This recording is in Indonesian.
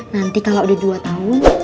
nanti kalau udah dua tahun